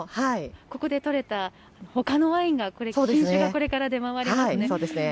ここで取れたほかのワインが、これ、品種がこれから出回りますそうですね。